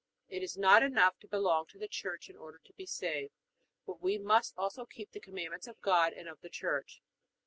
It is not enough to belong to the Church in order to be saved, but we must also keep the Commandments of God and of the Church.